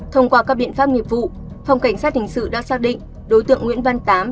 thông qua các biện pháp nghiệp vụ phòng cảnh sát hình sự đã xác định đối tượng nguyễn văn tám